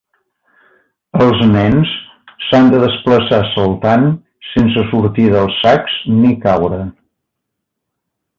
Els nens s'han de desplaçar saltant sense sortir dels sacs ni caure.